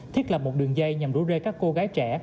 thiết lập một đường dây nhằm đuổi rê các cô gái trẻ